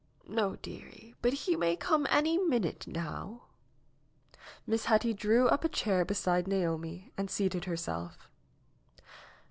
^^No, dearie, but he may come any minute now." Miss Hetty drew up a chair beside Naomi and seated herself.